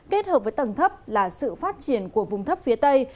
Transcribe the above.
kết hợp với tầng thấp là sự phát triển của vùng thấp phía tây